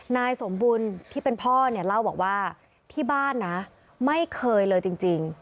นายสมบุญที่เป็นพ่อเนี่ยเล่าบอกว่าที่บ้านนะไม่เคยเลยจริง